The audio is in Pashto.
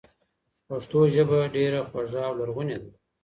پښتو ژبه ډېره خوږه او لرغونې ده.